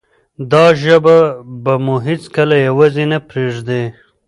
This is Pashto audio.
دا ژبه به مو هیڅکله یوازې نه پریږدي.